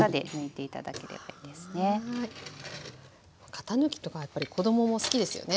型抜きとかやっぱり子どもも好きですよね。